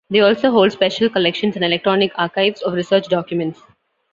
They also hold special collections and electronic archives of research documents.